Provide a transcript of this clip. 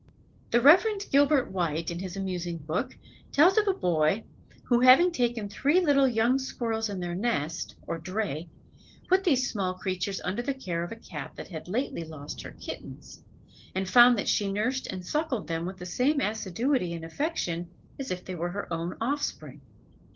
The Reverend Gilbert White, in his amusing book, tells of a boy, who having taken three little young squirrels in their nest or "dray," put these small creatures under the care of a Cat that had lately lost her kittens, and found that she nursed and suckled them with the same assiduity and affection as if they were her own offspring.